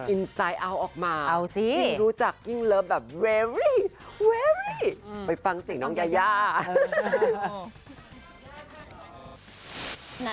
ใจเอาออกมายิ่งรู้จักยิ่งเลิฟแบบเวรี่ไปฟังเสียงน้องยายา